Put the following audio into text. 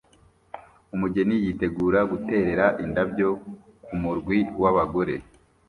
Umugeni yitegura guterera indabyo kumurwi wabagore